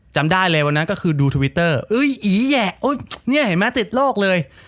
จำได้เลยวันนั้นก็คือดูทวิตเตอร์เอ้ยอีแหยะเนี่ยเห็นไหมติดโลกเลย